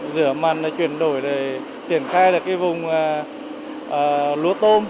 rửa mặn chuyển đổi để triển khai được cái vùng lúa tôm